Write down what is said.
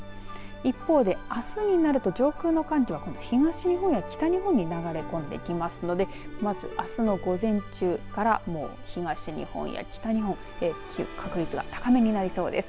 一方で、あすになると上空の寒気は東日本や北日本に流れ込んできますのであすの午前中から東日本や北日本確率が高めになりそうです。